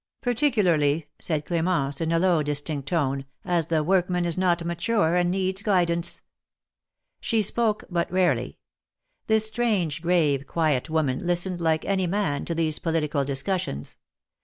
Particularly," said Cl^mence, in a low, distinct tone, " as the workman is not mature, and needs guidance." She spoke but rarely. This strange, grave, quiet woman listened like any man, to these political discus sions.